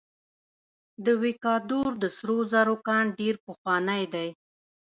د ویکادور د سرو زرو کان ډیر پخوانی دی.